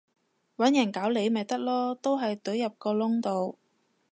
搵人搞你咪得囉，都係隊入個窿度